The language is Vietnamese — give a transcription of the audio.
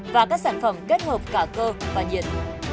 và các sản phẩm kết hợp cả cơ và nhiệt